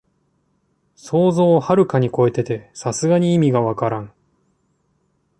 想像をはるかにこえてて、さすがに意味がわからん